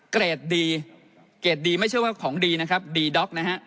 เกรดดีเกรดดีไม่ใช่ว่าของดีนะครับดีด็อกนะฮะ